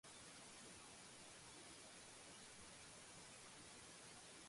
იგი ბიოლოგიურად მკვდარ მდინარეებს მიეკუთვნება.